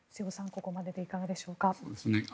ここまででいかがでしょうか。